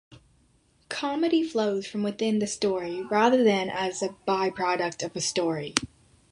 Comedy flows from within the story rather than as a by-product of story.